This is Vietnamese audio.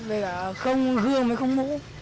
với cả không hương không mũ